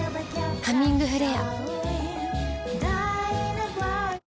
「ハミングフレア」